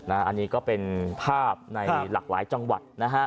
อันนี้ก็เป็นภาพในหลากหลายจังหวัดนะฮะ